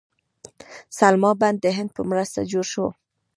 سلما بند د هند په مرسته جوړ شو